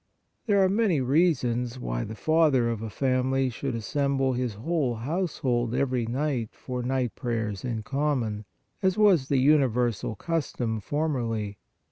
There are many reasons why the father of a family should assemble his whole household every night for night prayers in common, as was the uni versal custom formerly.